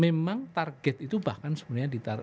memang target itu bahkan sebenarnya ditaruh